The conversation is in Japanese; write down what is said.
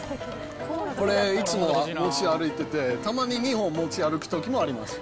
これ、いつも持ち歩いてて、たまに２本持ち歩くときもあります。